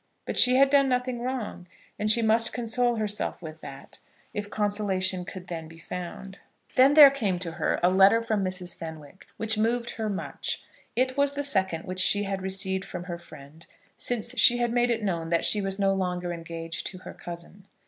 But she had done nothing wrong, and she must console herself with that, if consolation could then be found. Then there came to her a letter from Mrs. Fenwick which moved her much. It was the second which she had received from her friend since she had made it known that she was no longer engaged to her cousin.